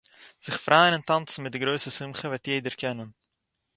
זיך פרייען און טאנצן מיט די גרויסע שמחה, וועט יעדער קענען